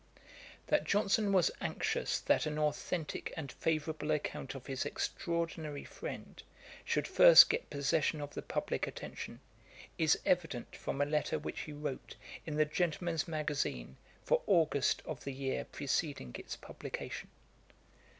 That Johnson was anxious that an authentick and favourable account of his extraordinary friend should first get possession of the publick attention, is evident from a letter which he wrote in the Gentleman's Magazine for August of the year preceding its publication.